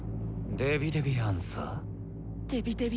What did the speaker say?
デビデビアンサー。